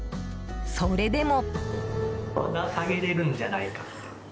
それでも。